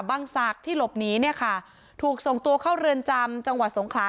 ศักดิ์ที่หลบหนีเนี่ยค่ะถูกส่งตัวเข้าเรือนจำจังหวัดสงขลา